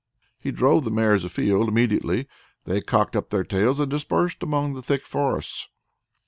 He drove the mares afield. Immediately they cocked up their tails and dispersed among the thick forests.